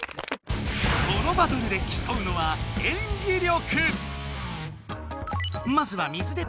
このバトルできそうのは演技力！